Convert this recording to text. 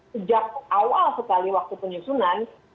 sejak awal sekali waktu penyusunan